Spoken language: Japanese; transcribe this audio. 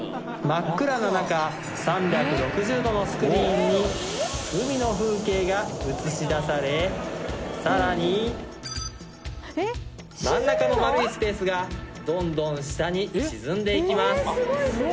真っ暗ななか３６０度のスクリーンに海の風景が映し出されさらに真ん中の丸いスペースがどんどん下に沈んでいきます